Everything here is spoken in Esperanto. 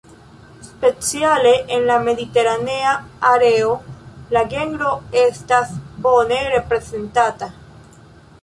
Speciale en la mediteranea areo la genro estas bone reprezentata.